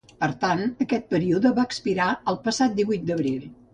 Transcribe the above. Per tant, aquest període va expirar el passat divuit d’abril.